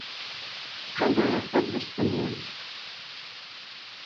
Ttqadareɣ tabɣest-nwent.